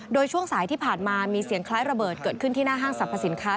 โดยช่วงสายที่ผ่านมามีเสียงคล้ายระเบิดเกิดขึ้นที่หน้าห้างสรรพสินค้า